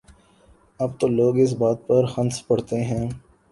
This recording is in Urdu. اب تو لوگ اس بات پر ہنس پڑتے ہیں۔